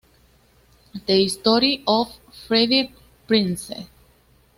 The Story of Freddie Prinze".